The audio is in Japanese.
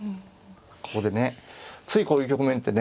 ここでねついこういう局面ってね。